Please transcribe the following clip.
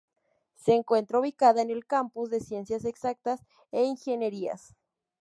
Se encuentra ubicada en el Campus de Ciencias Exactas e Ingenierías.